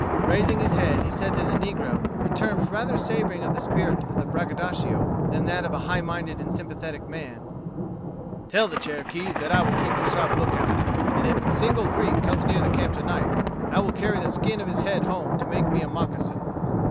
Raising his head, he said to the negro, in terms rather savoring of the spirit of the braggadocio than that of a high minded and sympathetic man: "Tell the Cherokees that I will keep a sharp lookout, and if a single Creek comes near the camp to night, I will carry the skin of his head home to make me a moccasin."